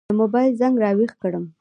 د موبایل زنګ را وېښ کړم.